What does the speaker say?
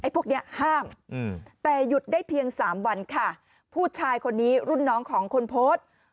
พวกนี้ห้ามแต่หยุดได้เพียงสามวันค่ะผู้ชายคนนี้รุ่นน้องของคนโพสต์